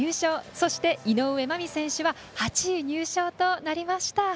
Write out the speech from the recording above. そして、井上舞美選手は８位入賞となりました。